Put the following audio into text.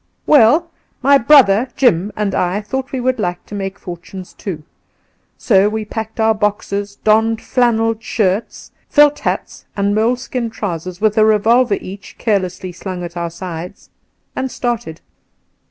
Well, my brother Jim and I thought we would like to make fortunes too ; so we packed our boxes, donned flannel shirts, felt hats and moleskin trousers, with a revolver each carelessly slung at our sides, and started.